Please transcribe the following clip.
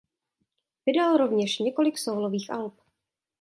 Vydal rovněž několik sólových alb.